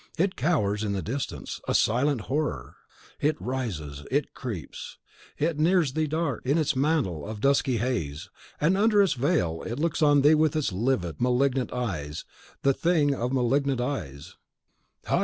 It cowers in the distance, a silent Horror! it rises; it creeps; it nears thee dark in its mantle of dusky haze; and under its veil it looks on thee with its livid, malignant eyes, the thing of malignant eyes!